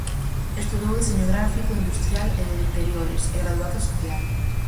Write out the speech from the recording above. Estudou deseño gráfico, industrial e de interiores, e graduado social.